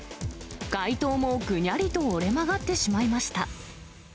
外灯もぐにゃりと折れ曲がってしまいました。